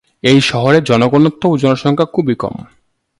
এই শহরে জনঘনত্ব ও জনসংখ্যা খুবই কম।